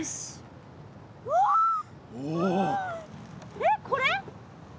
えっこれ？